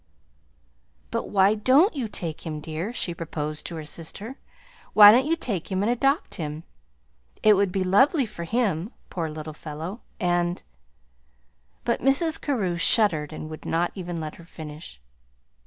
"But why don't you take him, dear?" she proposed to her sister. "Why don't you take him and adopt him? It would be lovely for him poor little fellow and " But Mrs. Carew shuddered and would not even let her finish.